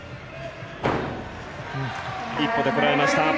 １歩でこらえました。